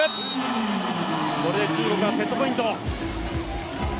これで中国はセットポイント。